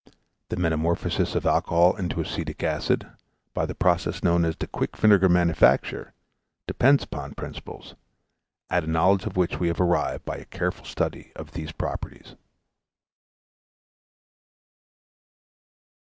The metamorphosis of alcohol into acetic acid, by the process known as the quick vinegar manufacture, depends upon principles, at a knowledge of which we have arrived by a careful study of these properties.